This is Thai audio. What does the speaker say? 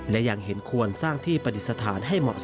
และยังเห็นควรสร้างที่ปฏิสถานให้เหมาะสม